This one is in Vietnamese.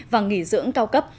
và nghỉ dưỡng cao cấp